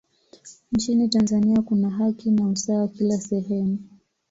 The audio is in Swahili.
nchini tanzania kuna haki na usawa kila sehemu